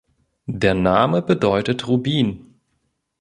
Der Name bedeutet Rubin.